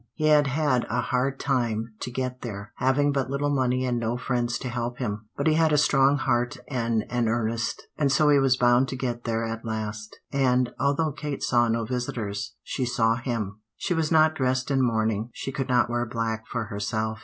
He had had a hard time to get there, having but little money and no friends to help him; but he had a strong heart and an earnest, and so he was bound to get there at last; and, although Kate saw no visitors, she saw him. She was not dressed in mourning; she could not wear black for herself.